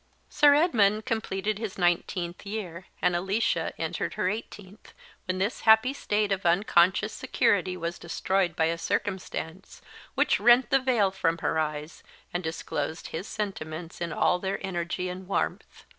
Sir Edmund completed his nineteenth year, and Alicia entered her eighteenth, when this happy state of unconscious security was destroyed by a circumstance which rent the veil from her eyes, and disclosed his sentiments in all their energy and warmth.